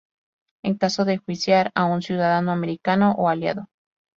En caso de enjuiciar a un ciudadano americano o aliado.